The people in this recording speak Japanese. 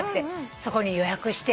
そこに予約して。